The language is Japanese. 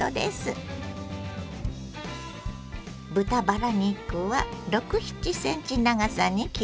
豚バラ肉は６７ｃｍ長さに切ります。